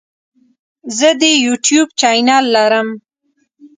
زه د یوټیوب چینل لرم.